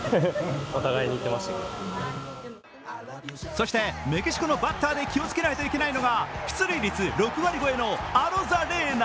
そしてメキシコのバッターで気をつけないといけないのが出塁率６割超えのアロザレーナ。